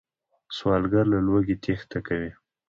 سوالګر له لوږې تېښته کوي